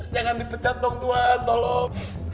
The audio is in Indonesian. jangan di pecat dong tuan tolong